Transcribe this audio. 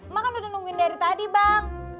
mak kan udah nungguin dari tadi bang